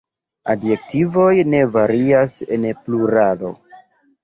Adjektivoj ne varias en pluralo.